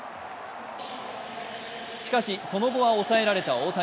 しかし、その後は抑えられた大谷。